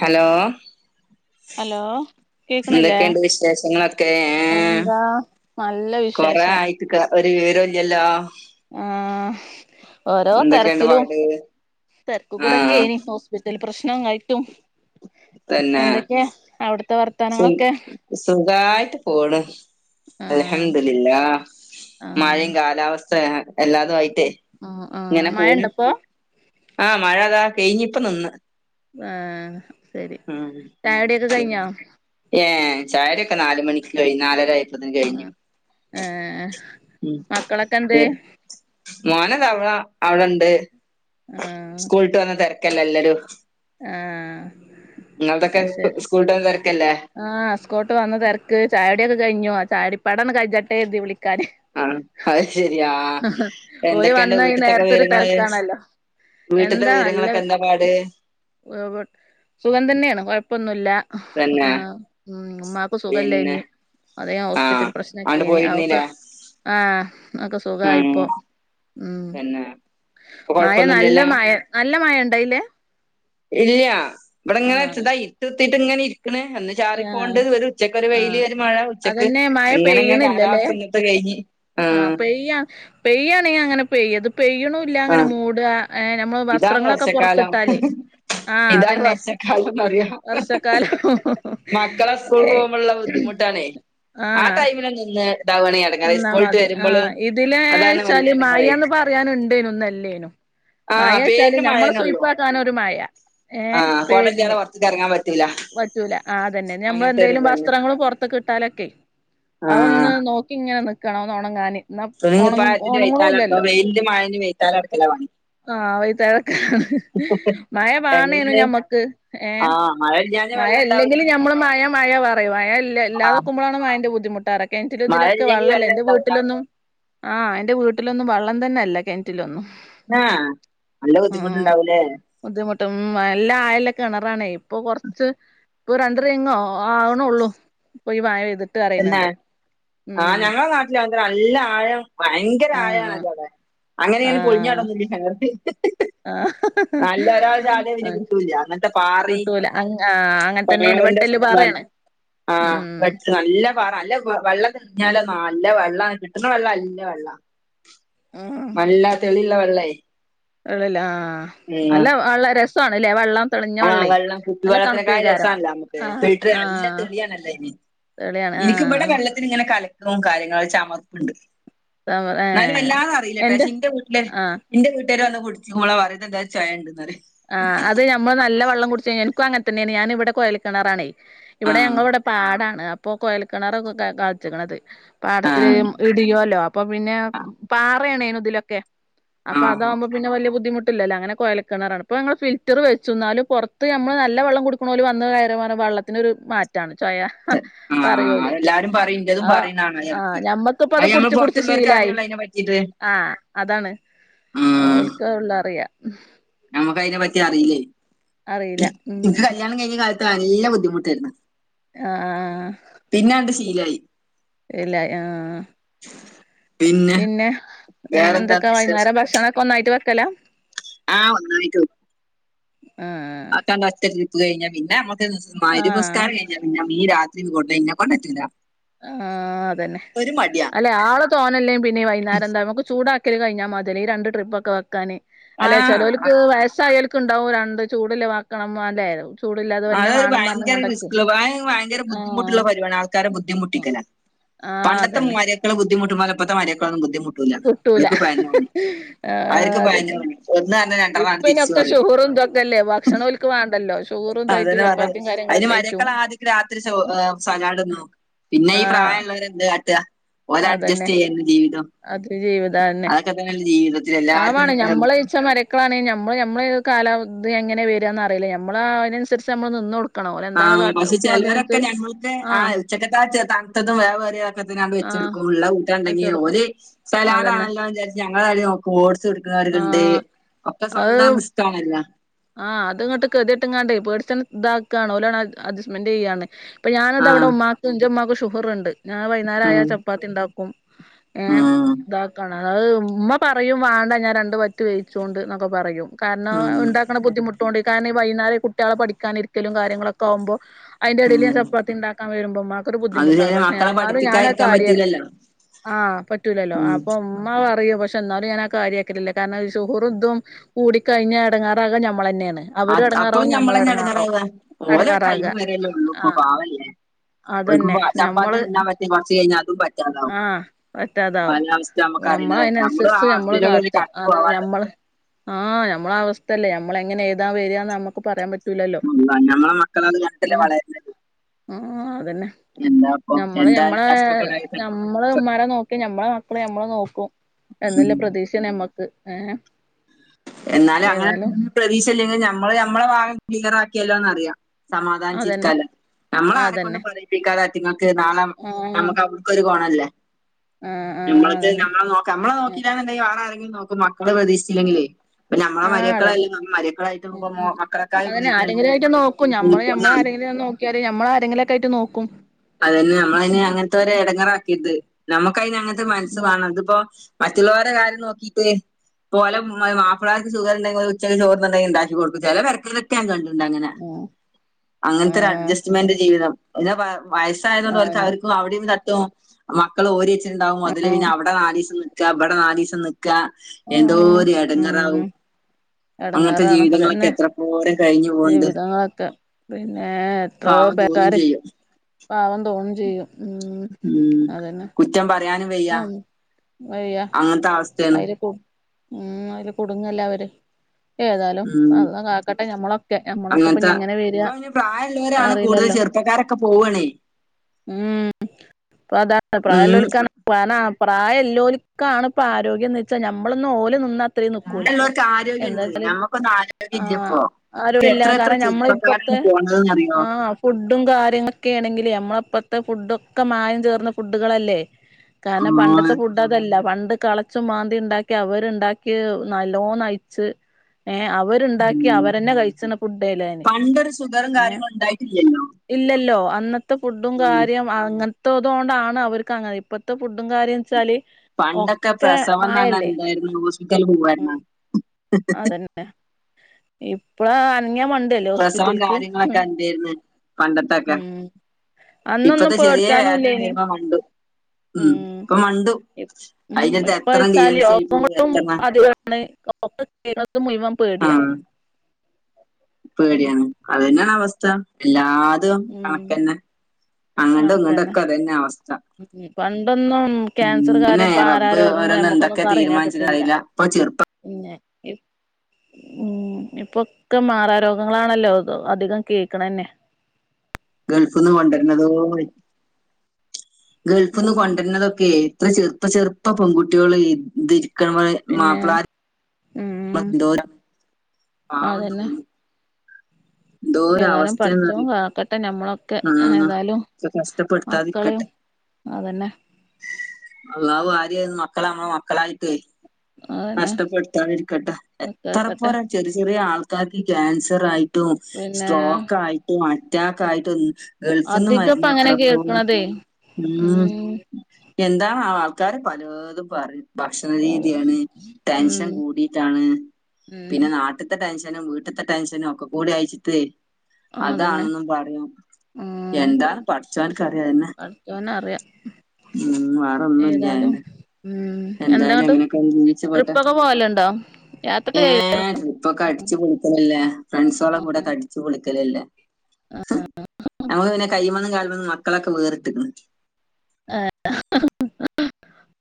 Hello. Hello കേക്കണില്ലേ എന്തൊക്കെയുണ്ട് വിശേഷങ്ങളൊക്കെ ഏ? എന്താ നല്ല വിശേ കുറേ ആയിറ്റ് ക്ക്‌ ഒരു വിവരോല്യല്ലോ? ആഹ് ഓരോ എന്തൊക്കെയുണ്ട് തിരക്കിലും പാട് ആ തെര്ക്ക്‌ക്കൂടെ ഒക്കെയ്ന്. വീട്ടൽ പ്രശ്നയിട്ടും തന്നെ എന്തൊക്കെയാ അവിടുത്തെ സു വർത്താനങ്ങളൊക്കെ സുഖായിട്ട് പോണ് ആ അലഹംദുലി പിന്നെ ആ മഴിം കാലാവസ്ഥ എല്ലാ അതായിട്ടേ ആ ആ ഇങ്ങനെ പോണ് മഴണ്ടപ്പോ ആഹ് മഴ അതാ കഴിഞ്ഞിപ്പം നിന്ന് ആഹ് ശെരി ഉം ചായ കുടി ഒക്കെ കഴിഞ്ഞോ ഏ ചായടിക്കെ നാല് മണിക്ക് കഴിയും നാലര [unintelligible] കഴിഞ്ഞു ഏ മക്കളൊക്കെ എന്ത് [unintelligible] മോനതവ്ള അവളണ്ട് ആ സ്കൂള്ട്ട് വന്ന തെര്ക്കല്ലെ എല്ലരും. ആഹ്. ഇങ്ങൾതൊക്കെ സ്കൂൾട്ട് വന്ന തെരക്കല്ലേ? ആഹ് സ്കോട്ട് വന്ന തിരക്ക് ചായടിയൊക്കെ കഴിഞ്ഞു ആ ചായടിപ്പടന്ന് കജട്ടേരുതി വിളിക്കാന്. ആ അത് ശെരി ആ ഓല് എന്തൊക്കെയുണ്ട് വന്ന ഈ വീട്ടിത്തൊക്കെ നേരത്തൊരു വിവരങ്ങള്? തെരക്കാണല്ലോ വീട്ട്ത്തെ വിവരങ്ങളൊക്കെ എന്താ പാട്? വ് വ് സുഖം തന്നെയാണ്, കൊഴപ്പൊന്നുല്ല. ഹ് ആ പിന്നെ ഉം ഉമ്മാക്ക് പിന്നെ സുഖേല്ലേയ്ന് അതേ ആ ഹോസ്പിറ്റൽ അങ്ങോട്ട് പ്രശ്നൊക്കെനി ആ ഒക്കെ പോയിരുന്നില്ലേ? ആ ഒക്കെ ഉം സുഖായിപ്പോ. ഉം പിന്നെ ഇപ്പൊ മയ നല്ല കൊഴപ്പൊന്നുമില്ലല്ലോ? മഴ, നല്ല മഴണ്ടായിലെ? ഇല്ല്യാ ഇവിടെങ്ങനെ ആഹ് ച്ച്താ ഇര്ട്ട്ത്തിയിട്ട്ങ്ങനെ ഇരിക്ക്ണ്. ചാറി ആഹ് പോണണ്ട് ഒരു ഉച്ചക്ക് ഒരു ആഹ് വെയില് മഴ ഉച്ചക്ക് അതന്നെ മഴ ഇങ്ങനെങ്ങനെ കാലാവസ്ഥന്നത്തെ കഴിഞ്ഞ് ആ പെയ്യ പെയ്യാണെങ്ങി അങ്ങനെ പെയ്യ ഇത് പെയ്യുണൂല്ല ആ അങ്ങനെ മൂടാ ഏഹ് നമ്മള് ഇതാണ് വസ്ത്രങ്ങളൊക്കെ വർഷക്കാലം. പൊറത്തിട്ടാലേ ആഹ് ഇതാണ് അതന്നെ വർഷക്കാലന്നറയ വർഷക്കാലം മക്കളെ അല്ലെ സ്കൂൾകോകുമ്പള്ള ബുദ്ധിമുട്ടാണേ ആ ആഹ് ടൈമിലൊന്ന് നിന്ന് താ വാണങ്കി നിന്നാ മതി ആ ഇതിലേച്ചാല് വല്യ എടങ്ങേറേ മയന്ന് പറയാനുണ്ടേനും ഇന്നാല്ലേനും ആഹ് മഴേച്ചാല് പേരിന് ഞമ്മള മഴേന്നൊള്ളു സുയിപ്പാക്കാനൊരു മഴ ഏ ആഹ് കൊടല്ലാതെ പേരിന് പൊറത്ത്ക്ക് എറങ്ങാൻ പറ്റൂല പറ്റൂല ആ അതെന്നെ അങ്ങനത്തെ ഒരു ഞമ്മളെന്തേലും ഇതന്നെ വസ്ത്രങ്ങള് പൊറ ത്ത് കിട്ടാലൊക്കെ ആഹ് അഹ്ഒന്ന് നോക്കിങ്ങനെ നിക്കണം ഒന്നൊണങ്ങാന് തുണിം കുപ്പായത്തിൻ്റെ വൈത്താലടക്കാ ഇപ്പൊ വെയിലിൻ്റീം മഴൻ്റീം വൈത്താലടക്കലാ പണി. ആഹ വൈന്നേരൊക്കെ മഴ വാണേനു ഞമ്മക്ക് ഏ ആ മഴ ഇല്ല്യ മഴ ഇല്ലെങ്കില് ഞമ്മള് മഴ മഴ പറയും മഴല്ലാ ആഹ് ല്ലാതെക്കുമ്പളാണ് മഴന്റെ ബുദ്ധിമുട്ട് അറ മഴ കെണറ്റിലുതിലൊക്കെ ഇല്ലെങ്കി വള്ളല്ല വെള്ളം എന്റെ ഇണ്ടാവൂല വീട്ടിലൊന്നും ആഹ് എൻ്റെ വീട്ടിലൊന്നും വള്ളം തന്നെല്ല കെൻറ്റിലൊന്നും ആ നല്ല ബുദ്ധിമുട്ടുണ്ടാവൂലേ? ബുദ്ധിമുട്ടും ഉം അല്ല ആയല്ല കിണറാണേ ഇപ്പൊ കൊറ ച്ച് ഇപ്പൊ രണ്ട്റിംഗ് ആ ആവുണൊള്ളു പോ ഈ മഴ പെയ്തിട്ട് തന്നെ അറിയണണ്ട് ആ ഉം ഞങ്ങളനാ അങ്ങതന്നെ അല്ല ആഴം ഭയങ്കര ആഹ് ആയണല്ലോ അത് അങ്ങനീങ്ങ പൊളിഞ്ഞാടൊന്നുംല്ല ഞങ്ങ ആ ആഹ് നല്ല ഒരാൾ ചാടിയാ പിന്നെ കിട്ടൂല്ല്യ അങ്ങ ത്തെ പാറീ കിട്ടൂല അങ്ങ ആഹ് അങ്ങനെ തന്നെയാണ് വെട്ടല് [unintelligible] പാറയാണ് ആ ഉം വെച്ച് നല്ല പാറ അല്ല വെ വെള്ളം ഉം കിഞ്ഞാല് നല്ല വെള്ള കിട്ടുന്ന വെള്ള നല്ല വെള്ള ഉം നല്ല തെളിള്ള വെള്ളേ വെള്ളല്ല... ഉം നല്ല വള്ള രസോ ആണല്ലേ ആ വള്ളം തെളിഞ്ഞ ആ വള്ളേ വെള്ളം നല്ല കുപ്പിവെള്ളത്തിനെക്കായ തണുപ്പേക്കാരം രസാണല്ലോ നമുക്ക് ആ ഫിൽട്ടർ ആ നല്ല തെളിയാണല്ലോ ഇനി തെളിയാണ് ആ. എനിക്ക് ഇവിടെ വെള്ളത്തിന്ങ്ങനെ കലക്കൊം കാര്യങ്ങളും ചമർപ്പുണ്ട് ന്നാലും ഏഹ് വല്ലാതറീലട്ടാ എന്റെ ശിന്റെ വീട്ടില് ആഹ് ഇന്റെ വീട്ടാര് വന്ന് കുടിച്ചുമ്പള പറയാ ഇത്എന്താരു ചൊയണ്ട്ന്നറീ ആ അത് നമ്മ നല്ല വെള്ളം കുടിച്ച്ഴിഞ്ഞ ഇനിക്കു അങ്ങനെതന്നെണ് ഞാനിവടെ കൊയൽ കിണറാണേ ഇവിടെ ഞങ്ങളവിടെ ആ പാടാണ് അപ്പോ കൊഴൽ കിണർ ഗു ഗ അടിച്ച്ക്ക്ണത് പാടത്തില് ഇടിയോല്ലോ അപ്പൊ പിന്നെ ആ പാറേണേനുതിലൊക്കെ അപ്പം ആ അതാവുമ്പോ പിന്നെ വല്ല്യ ബുദ്ധിമുട്ടില്ലല്ലോ അങ്ങനെ കൊയൽ കിണറാണ് ഇപ്പം ഞങ്ങൾ ഫിൽറ്ററ് വെച്ചുന്നാലും പുറത്ത് നമ്മൾ നല്ല വെള്ളംകുടിക്കുണോൽ വന്ന കയറിയാ പറീം വള്ളത്തിനൊരു മാറ്റാണ് ചൊയ. ഹ പറയു ആഹ് ഓല് അതെല്ലാരും പറയും ഇന്റതും ആ പറയുന്നാണ് ആ എടക്ക് ഞമ്മക്കിപ്പത് അത് ഞമ്മള് കുടിച്ച് കുടിച്ച് പൊറത്തുള്ളോർക്ക് ശീലായി അറിയുള്ളൂ അയിനെ പറ്റീട്ട് ആ, അതാണ് ഓൽക്ക്ള്ളു അറിയാ. നമുക്ക് അയിനെപ്പറ്റി അറിലേ അറിയില്ല ഉം ഇനിക്ക് കല്യാണം കഴിഞ്ഞ കാലത്ത് നല്ല ബുദ്ധിമുട്ടേർന്ന് ആ ആ പിന്നാണ്ട് ശീലായി ഇല്ല ആഹ് പിന്നെ വേറെന്താ വിശേഷം കൊന്നായിട്ട് വെക്കലാ ആ ഒന്നായിട്ട് ആഹ് അതാണ്ട് ഒറ്റ ട്രിപ്പ് കയിഞ്ഞാ പിന്നെ മ്മക്ക് നിസ് മഗ്‌രിബ് ആഹ് നിസ്കാരം കഴി പിന്നെ മീ രാത്രിന്നും കൊടന്നയ്ഞ്ഞ ഇന്നെകൊണ്ടറ്റൂല ആഹ് അതെന്നെ അല്ലെആള് തോനെല്ലെങ്കി പിന്നെ ഈ വൈന്നേരെന്താ നമുക്ക് ചൂടാ ക്കല് കഴിഞ്ഞാമതി ഈ രണ്ട് ട്രിപ്പൊക്കെ വെക്കാന് അല്ലേ ആഹ് ചെലോർക്ക് വയസയാല്- ക്ണ്ടാവും രണ്ട് ചൂട്ല്ലെ വാക്കണം വല്ലെ അതൊരുഭയങ്കര റിസ്ക്ള്ള വയങ്കരെ ആഹ് ബുദ്ധിമുട്ടുള്ളൊരു പരുവാണ് ആൾക്കാരെ ബുദ്ധിമുട്ടിക്കല ആഹ് അതന്നെ പണ്ടത്തെമാര്യക്കളെ ബുദ്ധിമുട്ടുംപോലെ ഇപ്പത്തെ മാര്യക്കളൊന്നും ബുദ്ധിമു കിട്ടൂല ആഹ് അവർക്ക് പതിനു അതെന്നെ മണി ഒന്ന് പറഞ്ഞ രണ്ടെണ്ണം ആണ് തിരിച്ചു ഇപ്പയ്നൊക്കെ പറയും ചോറുംഇത്വ കല്ലേ ഭക്ഷണംഓൽക്ക് വാണ്ടല്ലോ അതെന്നെപറഞ്ഞത് അയ്ന് മരിയക്കൾ ആദിക് രാത്രി [unintelligible] സലാട്ന്നു തിന്നോ പിന്നെ ഈ ആഹ് പ്രായള്ളവരെന്ത്കാട്ടാ അതന്നെ ഓലഡ്ജസ്റ്റ് ചെയ്യെന്നെ ജീവിതം അത് ജീവിതാന്നെ അതൊക്കെ തന്നെയല്ലേ ജീവിതത്തിൽ എല്ലാവർക്കും പാവാണ് ഏഹ് ഞമ്മളീ മരി ക്കളാണെൽ ഞമ്മള്ഞമ്മളെ കാലാവധി എങ്ങനെവെരാന്ന് അറിയില്ല ഞമ്മള് അയ്നനുസരിച്ച് ഞമ്മൾ നിന്ന്കൊട് ആ പക്ഷെ ചിലരൊക്കെ ഞങ്ങൾക്ക് ആ ആഹ് ഉച്ചക്കത്തെ ആ തണുത്തതും വേവേറി ക്കത് ആഹ് വെച്ചെടുക്കൂ ള്ള വെച്ച് കൂട്ടാണ്ടെങ്കി കൊടുക്കും ഓല് അതന്നെ സലാടാണല്ലോ വിചാരിച്ച് ഞങ്ങട നാട്ടില് ഓട്ട്സ് കുടിക്കുന്നോരുണ്ട് ആഹ് ഒക്കെ അത് സ്വന്തംറിസ്ക്കാണല്ലോ ആഹ് അത്ഇങ്ങട്ട് കെതിക്കെട്ട്ക്കാണ്ട് പേടിച്ചണ് ഇതാക്കാണ് ഓലണ് അഡ്ജസ്മെന്റ്ചെയ്യാണ് ഇപ്പോഞാനിത ആഹ് വ്ടെഉമ്മാക്ക് ഇഞ്ചമ്മാക്ക് ഷുഗർണ്ട് ഞാൻ വൈന്നേരയ ആഹ് ആയാചപ്പാത്തി ഉണ്ടാക്കും ഏഹ് ഉം ഇതാക്കണം അഹ്ഉമ്മ പറയും വാണ്ടഞാൻ രണ്ട് വറ്റ് വെ യ്ച്ചോണ്ട്ന്നൊക്കെപറയും കാരണോം ഉം ഇണ്ടാക്ണ ബുദ്ധിമുട്ടോണ്ടേയ് കാരണം ഈ വൈന്നേരം കുട്ടിയാൾ പഠിക്കാനിരിക്കലും കാര്യങ്ങളൊക്കെ ആകുമ്പോ അയിന്റെഎടീല് ഞാൻ ഉം ചപ്പാത്തി ഇണ്ടാക്കൻ വെരുമ്പോ ഇമ്മാക്കൊരു അത് ബുധിമുട്ടാണ് ശരിയാ മക്കളെ പശെഞാന് പഠിപ്പിക്കാതിരിക്കാൻ ഞാനാകാര്യാണ് പറ്റൂലല്ലോ ആഹ് പറ്റൂലല്ലോ ഉം അപ്പൊ ഉമ്മ പറയും പക്ഷെന്നാലും ഞാനാ കാര്യക്കലില്ല കാരണം സുഹുറുദും കൂടിക്കഴിഞ്ഞ എടങ്ങേറാവാ ഞമ്മളെന്നെണ് അദ് അപ്പളും ഞമ്മളെന്നെ എടങ്ങേറാവാ ഓലൊരു എടങ്ങാറാക ടൈംവെരെല്ലേ ഒള്ളൂ ആഹ് ഇപ്പൊപാവല്ലേ അതന്നെ ഓൽക്കുപ്പൊ ചപ്പാത്തി ഞമ്മള് ആ തിന്നാൻ പറ്റി കുറച്ച് കഴിഞ്ഞാ അതും പറ്റ ആഹ് പറ്റാതാവും നമുക്ക് ഞമ്മൾ അറിയണതല്ലേ നമ്മള് ആ അയ്നനുസരിച് ഞമ്മള് അവസ്ഥയിലൂടെയല്ലേ കാട്ടാ കടന്നു അതെന്നെ പോവാനുള്ളത് ഞമ്മള് ആഹ് ഞമ്മളെഅവസ്ഥല്ലേ നമ്മളെങ്ങനെ എയ്താ വെരാന്ന് ഞമ്മക്ക് പറയാൻപ ആഹ് ഞമ്മളത് കണ്ട്ട്ടല്ലേ വളര്ണേ ആഹ് ആഹ് ആഹ് അതെന്നെ എന്താപ്പോ എന്താലും കഷ്ടപ്പെടെ തന്നെ മ്മള് ഇമ്മാരെ നോക്കി ഞമ്മളെ മക്കള് ഞമ്മളെനോക്കും എന്നുള്ള ഉം പ്രതീക്ഷ ഞമ്മക്ക് ഹെ എന്നാലും അങ്ങനെ ഏതാലും പ്രതീക്ഷ ഇല്ലെങ്കി ഞമ്മള്ഞമ്മളെ ഭാഗം ക്ലിയറാക്കിയല്ലോന്ന്റിയാം അതന്നെ സമാധാനിച്ചിരിക്കല്ലോ നമ്മള് ആരെക്കൊണ്ട് അതന്നെ പറയിപ്പിക്കാതെറ്റങ്ങൾക്ക് നാളെ ആഹ് നമുക്ക് അവടുക്കൊരു കൊണല്ലേ ആഹ് ആഹ് ഞമ്മളത് അതന്നെ ഞമ്മളെ നോക്കാൻ ഞമ്മളെ നോക്കീലാന്ന് ഇണ്ടെങ്കി വെറെ ആരെങ്കിലും നോകും മക്കളെ പ്രതീക്ഷിച്ചില്ലെങ്കിലേ ഇപ്പ നമ്മളെ ആഹ് അതന്നെ മര്യക്കളല്ല മര്യക്കളായിട്ട് ഉം നോക്കുമ്പോ ഉം മക്കളക്കായി അതന്നെ ഉപകരിക്ക ആരെങ്കിലും എനിക്കറിയാം നമ്മൾ ആരെങ്കിലൊക്കെ ആയിട്ട് നോക്കും. അതെന്നെ ഞമ്മളയ്ന് ഉം അങ്ങനത്തോരെ എടങ്ങേറാക്കീട്ട്. നമുക്കയ്ന് അങ്ങനത്തെ മൻസ്സ് വാണംത്പ്പോ മറ്റുള്ളോരെ കാര്യം നോക്കിട്ട് പോലെഇമ്മമാർ മപ്ലാര്ക്ക് സുഖണ്ടെങ്കിൽ ഓല് ഉച്ചക്ക് ചോർന്നുണ്ടെങ്കില് ഇണ്ടാക്കി കൊടുകും ചെലെ പേരക്കാര് കേഞാൻ കണ്ട്ണ്ടങ്ങനെ ആഹ് അങ്ങനൊത്തൊരു ആഹ് അഡ്ജസ്റ്റ്മെന്റ് ജീവിതം ഇതാ [unintelligible] വയസ്സായതോണ്ട് ഓൽക് ആന്നെ അവര്ക് അവിടേം തട്ടും മക്കള് ഓരിവെച്ചിട്ട്ണ്ടാവും അതില് പിന്നെ ആഹ് അവിടെ നാലീസം [unintelligible] ക്കാ ഇപടെനാലീസം നിക്കാ ആഹ് എന്തോര് എ ഉം ടങ്ങാറാവും അങ്ങത്തെ എടങ്ങേറാണ് ജീവിതങ്ങളൊക്കെ എത്രപോര കഴിഞ്പോക്ണ്ട് ആഹ് അതാ ഏഹ് പാവം തോന്നുംചെയ്യും. പാവം തോണും ചെയ്യും ഉം ഉം അതന്നെ കുറ്റംപറയാനും വെയ്യാ ആഹ് വയ്യ അങ്ങൻത്തെ അവസ്തേണ് അയില് കു ഉം അതില് കുടുങ്ങല്ലോ അവര് ഏതാലും ഉം അള്ളാ കാക്കട്ടെ ഞമ്മളൊക്കെ ഞമ്മളൊക്കെ ഇപ്പ അങ്ങനത്തെ എങ്ങനാ വരിക ഇപ്പൊ അറിയില്ലല്ലോ ഒക്കെ പോവാണേ ഉം ഇപ്പൊ അതാണ് ഉം പ്രായമുള്ളവർക്കാണ് പ്രായം ഉള്ളോർക്കാണ് ഇപ്പൊ ആരോഗ്യം എന്ന് വെച്ചാൽ നമ്മളൊന്ന് ഓല് നിന്ന അത്ര നിക്കൂല പ്രായമുള്ളവർക്ക് എന്നു ആരോഗ്യമുണ്ട് വെച്ചാ നമ്മക്കൊന്നും ആരോഗ്യം ഇല്ല ആഹ് ഇപ്പൊ ഇപ്പൊ ആരോഗ്യമില്ല എത്ര എത്ര കാരണം നമ്മള് ചെറുപ്പക്കാരാണ് ഇപ്പഴത്തെ പോണതെന്ന് അറിയോ ആഹ് ഫുഡും കാര്യങ്ങളൊക്കെ ആണെങ്കിലെ നമ്മളെ അപ്പഴത്തെ ഫുഡൊക്കെ മായം ചേർന്ന ഫുഡുകളല്ലേ കാരണം ആ പണ്ടത്തെ ഫുഡ് ഇതല്ല പണ്ട് കെളച്ചും മാന്തിയും ഉണ്ടാക്കി അവരുണ്ടാക്കി നല്ലോണം നയിച്ച് ഏഹ് അവരുണ്ടാക്കി ഉം അവരു തന്നെ കഴിച്ചു ഫുഡല്ലാന് പണ്ടൊരു ഷുഗറും ഏഹ് കാര്യങ്ങളും ഉണ്ടായിട്ടില്ലല്ലോ ഇല്ലല്ലോ അന്നത്തെ ഫുഡും ഉം കാര്യം അങ്ങനത്തെതോണ്ടാണ് അവർക്ക് അങ്ങനെ ഇപ്പഴത്തെ ഫുഡും കാര്യം വെച്ചാല് പണ്ടൊക്കെ ഒക്കെ പ്രസവന്നു പറഞ്ഞാ മായല്ലേ എന്തായിരുന്നു ഹോസ്പിറ്റലില് ഉം പോവാരുന്നാ അതന്നെ ഇപ്പള് അനങ്ങിയാ മ ല്ലേ പ്രസവം ഹോസ്പിറ്റലക്ക് ഹും കാര്യങ്ങളൊക്കെ എന്തായിരുന്നു പണ്ടത്തൊക്കെ ഉം അന്നൊന്നും ഇപ്പത്തെ ചെറിയ പേടിച്ചാനും വേദന ഇല്ലേന് വരുമ്പോ മണ്ടു ഉം ഇപ്പൊ മണ്ടു ഇപ്പ ഉം അതിനകത്ത് ഇപ്പ എത്ര ഡി വെച്ചാല് എൻ സി ആയി പോകും രോഗങ്ങളും എത്ര അതുപോലെ ന്നത് [inaudible] മുഴുവൻ ആ പേടിയാണ് പേടിയാണ് അത് തന്നെയാണ് അവസ്ഥ എല്ലാതും ഉം കണക്ക് തന്നെ അങ്ങണ്ട് ഇങ്ങണ്ടൊക്കെ അതന്നെ അവസ്ഥ ഉം പണ്ടൊന്നും ഉം ക്യാൻസർ പിന്നെ കാര്യം മാറാ റബ്ബ് രോഗങ്ങൾ ഓരോന്ന് നമ്മുക്കൊന്നും എന്തൊക്കെ പറയണ തീരുമാനിച്ചിട്ട് കേട്ടട്ടില്ല അറിയില്ല ഇപ്പൊ ചെറുപ്പം പിന്നെ ഇപ് ഉം ഇപ്പൊക്കെ മാറാ രോഗങ്ങളാണല്ലോ അതോ അധികം കേൾക്കണ തന്നെ ഗൾഫ്ന്ന് കൊണ്ടിരുന്നതോ ആ ഗൾഫിൽ നിന്ന് കൊണ്ടുവരുന്നതൊക്കെ എത്ര ചെറുപ്പ ചെറുപ്പ പെൺകുട്ടികൾ ഇതിരിക്കപ്പോഴേ പിന്നെ മാപ്പിളമാര് ഉം എന്തോരം ആണ് പാവം തോന്നു ഏതാലും അവസ്ഥയെന്ന് പടച്ചവൻ അറിയും കാക്കട്ടെ നമ്മളൊക്കെ ഒക്കെ ആ ഏതായാലും ഇത്ര മക്കളെയും കഷ്ടപ്പെടുത്താതിരിക്കട്ടെ അതെന്നെ അള്ളാഹു ആദ്യയി മക്കളെനമ്മളെ മക്കളായിട്ടേ അതന്നെ കഷ്ടപ്പെടുത്താതിരിക്കട്ടെ എത്ര കേക്കട്ടെ പോര ചെറിയ ചെറിയ ആൾക്കാർക്ക് ക്യാൻസർ ആയി ട്ടും പിന്നെ സ്ട്രോക്ക് ആയിട്ടും അറ്റാക്ക് ആയിട്ടും ഗൾഫുന്നും അധികം ഇപ്പ വരുന്ന അങ്ങനെ എത്രത്തോളം കേൾക്കണതേ ഉം എന്താണ് ആവോ ആൾക്കാര് പലതും പറയും ഭക്ഷണ രീതിയാണ് ടെൻഷൻ ഉം കൂടിയിട്ടാണ് ഉം പിന്നെ നാ നാട്ടിത്ത ടെൻഷനും വീട്ടത്തെ ടെൻഷനും ഒക്കെ കൂടി അയച്ചിട്ടെ അതന്നെ അതാണെന്നും പറഞ്ഞു ഉം എന്താണ് പടച്ചോനിക്കറിയാ അതന്നെ പടച്ചോന് അറിയാം ഉം വേറെൊന്നും ഏതായാലും ഇല്ല്യണ്ട് ഉം എന്താങ്ങോട്ട് ട്രിപ്പൊക്കെ പോവലുണ്ടോ യാത്രൊക്കെ ചെയ്യ ഏഹ് ട്രിപ്പ് ഒക്കെ അടിച്ച് പൊളിക്കണല്ലേ ഫ്രണ്ട്സോടെ കൂടെ ഒക്കെ അടിച്ച് പൊളിക്കലല്ലേ നമ്മള് പിന്നെ കൈയ്യുമ്മന്നും കാലുമ്മന്നും മാ മക്കളെക്കെ പേരിട്ടിരിക്കണ് ആഹ് [unintelligible]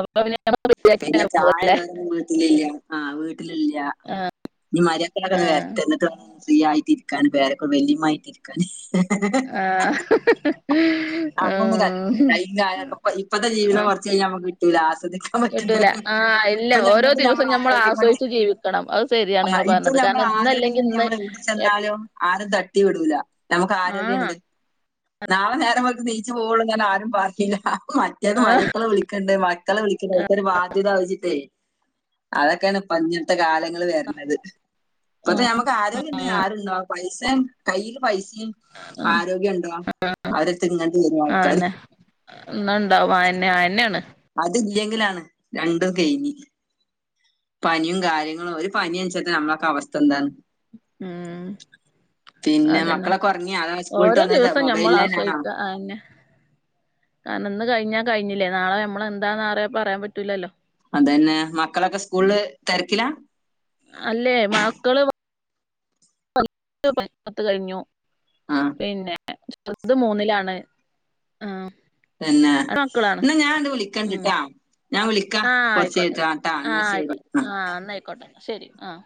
അപ്പൊ റെഡി പിന്നെ ആക്കിയരുന്നു ചായ ഇടൽ ഒന്നും വീട്ടിലില്ല ആഹ് വീട്ടിലില്ല ഇനി മര്യാദക്കൊക്ക ആഹ് വരട്ടെ എന്നിട്ട് വേണം ഫ്രീ ആയിട്ട് ഇരിക്കാൻ വേറെക്കെ വല്യമായിട്ട് ഹ്ഹ്ഹാ ആഹ് ഹ് അതൊന്നും കൈയും കാലും ഇപ്പഴത്തെ ജീവിതം ആഹ് കുറച്ച് കഴിഞ്ഞാൽ നമുക്ക് കിട്ടൂല്ല ആ ശ്രദ്ധിക്കാൻ പറ്റില്ല കിട്ടൂല ആഹ് ഇല്ല ഇപ്പൊ ഓരോ നമ്മക്ക് ഞമ്മള ദിവസം നമ്മൾ ആരോഗ്യം കൊണ്ടേ ആസ്വദിച്ച് ജീവിക്കണം അത് ശരിയാണ് ആ നിങ്ങൾ ഇപ്പൊ പറഞ്ഞത് നമ്മൾ കാരണം ആരോഗ്യം ഇന്നല്ലെങ്കിൽ കൊണ്ട് ഇന്ന് നമ്മൾ എവിടെ എപ് ചെന്നാലും ആരും തട്ടി വിടൂല നമുക്ക് ആഹ് ആരോഗ്യണ്ട്. നാളെ നേരം വെള്ത്ത് നീച്ചു പോവുള്ളൂ ഞാൻ ആരും [unintelligible] ത് ആഹ് മരക്കളെ വിളിക്കണ്ട് മക്കളെ വിളിക്കണ്ട് ഒക്കൊ ഒരു ബാധ്യത ആവോച്ച്ചിട്ടേ അതൊക്കെയാണിപ്പൊ. ഇനിയത്തെ കാലങ്ങള് വരുന്നത്. ഇപ്പത്തെ ആഹ് ഞമ്മക്ക് ആരോഗ്യണ്ടേ ആരുണ്ടാവും പൈസേം. കയ്യില് പൈസേം ആഹ് ആരോഗ്യംണ്ടോ അവരെട്ത്ത്ക്ക് ഇങ്ങട്ട് വെരും ആൾക്കാര്. ഒന്നുണ്ടാവും ആയെന്നെ ആയെന്നെയാണ് അതില്യെങ്കിലാണ് രണ്ടുംകയിഞ്ഞ്. പനിയും കാര്യങ്ങളും ഒരു പനിയൻച്ച നമ്മളക്കെ അവസ്ഥ എന്താണ്? മം പിന്നെ അതന്നെ മക്കളൊക്കെ ഉറങ്ങിയോ അതോ സ്കൂൾ വിട്ട് ഓരോ വന്നത് ദിവസം ഞമ്മൾ മൊബൈലിലാണോ ആസ്വദിക്കാ ആന്നെ കാരണം ഇന്ന് കയിഞ്ഞാ കയിഞ്ഞില്ലേ. നാളെ ഞമ്മളെന്താന്ന് ആരേം പറയാൻ പറ്റൂല്ലല്ലോ. അതന്നെ. മക്കളൊക്കെ സ്കൂളില്. തിരക്കിലാ? അല്ലേ മക്കള് പത്ത് കഴിഞ്ഞു. ആ പിന്നെ [unintelligible] മൂന്നിലാണ് ആഹ്. തന്നെ അത് മക്കളാണ് ന്നാ ഞാനണ്ട് ഉം വിളിക്കണ്ടിട്ടാ. ആഹ് ആയിക്കോട്ടെന്നാ. ആഹ് ശരി ആയിക്കോട്ടെ. ആ ആഹ് എന്നായിക്കോട്ടെ. ശരി ആഹ്.